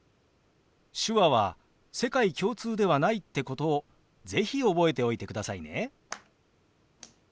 手話は世界共通ではないってことを是非覚えておいてくださいね。